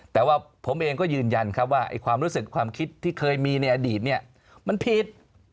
แต่ว่าผมเองก็ยืนยันครับว่าความรู้สึกความคิดที่เคยมีในอดีตเนี่ยมันผิด